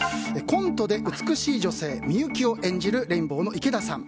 コントで美しい女性みゆきを演じるレインボーの池田さん。